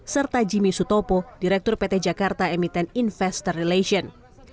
serta jimmy sutopo direktur pt jakarta emiten investor relation